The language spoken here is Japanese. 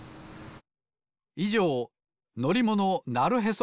いじょう「のりものなるへそ！